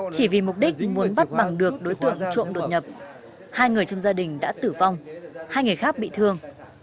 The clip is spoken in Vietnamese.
chỉ vì mục đích muốn bắt bằng được đối tượng trộm đột nhập hai người trong gia đình đã tử vong hai người khác bị thương